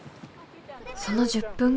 その１０分後。